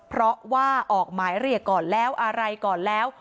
เพราะว่าออกหมายเรียกก่อนแล้วอะไรก่อนแล้ว